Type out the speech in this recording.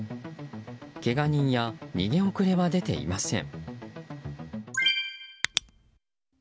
けが人や逃げ遅れは出ていません。